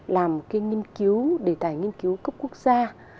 làm cái nghiên cứu đề tài nghiên cứu cấp quốc gia